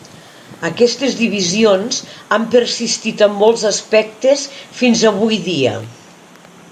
Aquestes divisions han persistit en molts aspectes fins avui dia.